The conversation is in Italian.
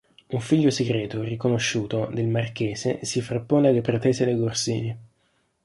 Un figlio segreto, riconosciuto, del marchese si frappone alle pretese dell'Orsini.